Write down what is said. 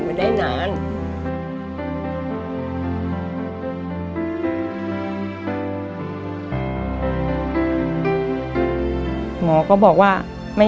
มันต้องการแล้วก็หายให้มัน